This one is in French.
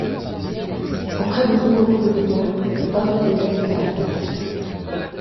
Après de nouveaux coups de vigueur, hommes et bêtes s’arrêtèrent.